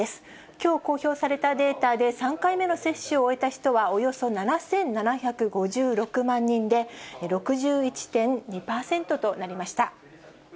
きょう公表されたデータで、３回目の接種を終えた人はおよそ７７５６万人で、６１．２％となりました。